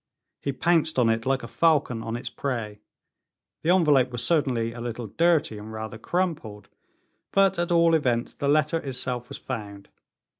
He pounced on it like a falcon on its prey. The envelope was certainly a little dirty, and rather crumpled, but at all events the letter itself was found.